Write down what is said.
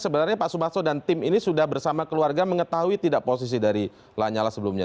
sebenarnya pak subarso dan tim ini sudah bersama keluarga mengetahui tidak posisi dari lanyala sebelumnya